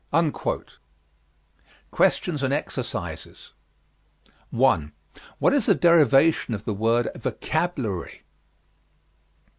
QUESTIONS AND EXERCISES 1. What is the derivation of the word vocabulary?